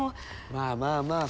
まあまあまあ。